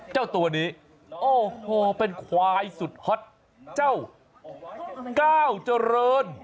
เจ้าตัวนี้โอ้โหเป็นควายสุดฮอตเจ้าก้าวเจริญ